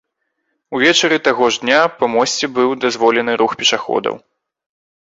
Увечары таго ж дня па мосце быў дазволены рух пешаходаў.